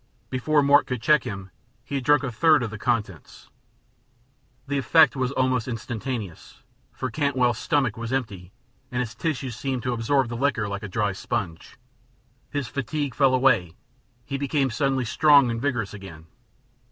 Before Mort could check him he had drunk a third of the contents. The effect was almost instantaneous, for Cantwell's stomach was empty and his tissues seemed to absorb the liquor like a dry sponge; his fatigue fell away, he became suddenly strong and vigorous again.